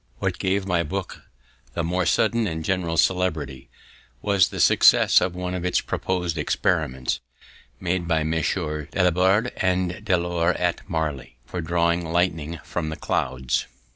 What gave my book the more sudden and general celebrity, was the success of one of its proposed experiments, made by Messrs. Dalibard and De Lor at Marly, for drawing lightning from the clouds.